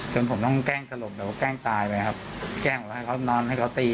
จนผมต้องแกล้งสลบแบบว่าแกล้งตายไปครับแกล้งบอกว่าให้เขานอนให้เขาตี